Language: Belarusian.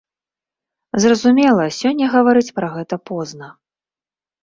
Зразумела, сёння гаварыць пра гэта позна.